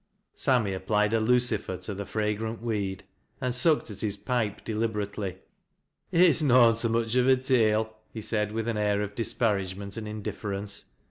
Sammy applied a lueifer to the fragrant weed, and sucked at his pipe deliberately. " It's noan so much of a tale," he said, with an air of disparagement and indifference.